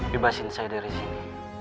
bebasin saya dari sini